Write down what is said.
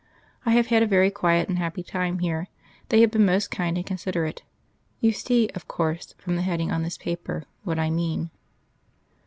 I have had a very quiet and happy time here; they have been most kind and considerate. You see, of course, from the heading on this paper, what I mean....